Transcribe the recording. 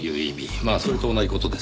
まあそれと同じ事ですねぇ。